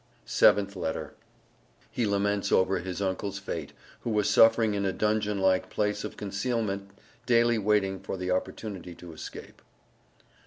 SEVENTH LETTER. _He laments over his uncle's fate, who was suffering in a dungeon like place of concealment daily waiting for the opportunity to escape_.